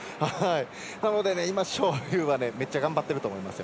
なので今、章勇はめっちゃ頑張ってると思いますよ。